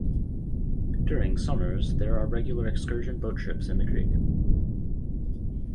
During summers there are regular excursion boat trips in the creek.